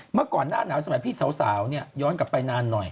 เมื่อก่อนหน้าหนาวสมัยพี่สาวเนี่ยย้อนกลับไปนานหน่อย